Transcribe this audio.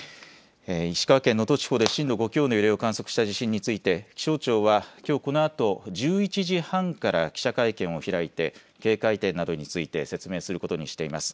石川県能登地方で震度５強の揺れを観測した地震について気象庁はきょうこのあと１１時半から記者会見を開いて警戒点などについて説明することにしています。